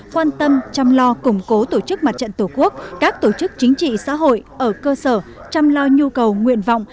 quan tâm chăm lo củng cố tổ chức mặt trận tổ quốc các tổ chức chính trị xã hội ở cơ sở chăm lo nhu cầu nguyện vọng